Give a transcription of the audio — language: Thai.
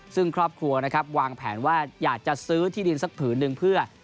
ซึ่งครอบครัวนะครับวางแผนว่าอยากจะซื้อที่ดินสักผืนหนึ่งเพื่อ